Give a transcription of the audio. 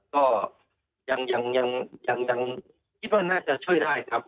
ก็ยังคิดว่าน่าจะช่วยได้ครับ